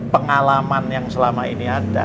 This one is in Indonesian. pengalaman yang selama ini ada